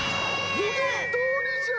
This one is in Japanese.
よげんどおりじゃ！